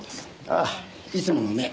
ああいつものね。